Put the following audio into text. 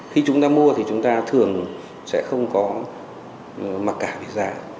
khi chúng ta mua thì chúng ta thường sẽ không có mặc cả về giá